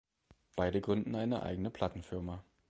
Beide gründen eine eigene Plattenfirma.